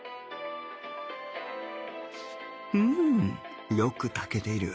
うんよく炊けている